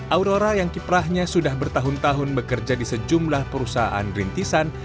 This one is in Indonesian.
aurora yang kiprahnya sudah bertahun tahun bekerja di sejumlah perusahaan rintisan